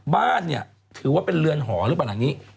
บ้านเนี่ยถือว่าเป็นเรือนหอหรือเปล่าหลังนี้